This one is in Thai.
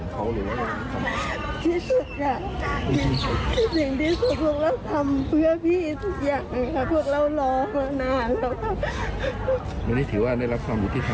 ใช่ค่ะยังรับความยุติธรรม